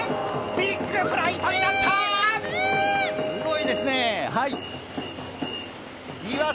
ビッグフライトになったー！